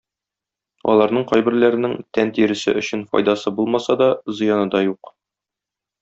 Аларның кайберләренең тән тиресе өчен файдасы булмаса да, зыяны да юк.